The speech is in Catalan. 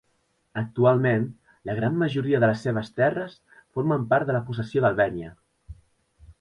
Actualment, la gran majoria de les seves terres formen part de la possessió d'Albenya.